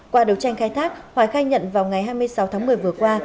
qua đấu tranh khai thác hoài khai nhận vào ngày hai mươi sáu tháng một mươi vừa qua